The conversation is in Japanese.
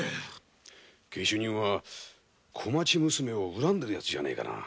下手人は小町娘を恨んでるヤツじゃねぇのか？